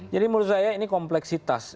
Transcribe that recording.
jadi menurut saya ini kompleksitas